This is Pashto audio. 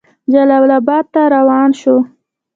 جلال آباد ته روان شو.